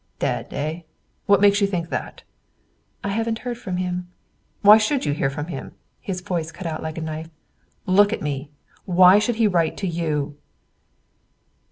"Dead, eh? What makes you think that?" "I haven't heard from him." "Why should you hear from him?" His voice cut like a knife. "Look at me. Why should he write to you?"